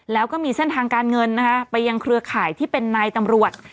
แล้วก็มีเส้นทางการเงินนะคะไปยังเครือข่ายที่เป็นนายตำรวจ